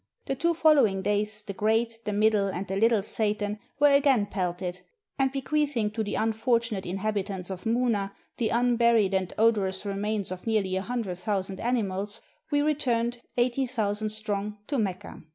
The two following days the Great, the Middle, and the Little Satan were again pelted, and, bequeathing to the unfortunate inhabitants of Muna the unburied and odorous remains of nearly a hundred thousand animals, we returned, eighty thousand strong, to :Mecca.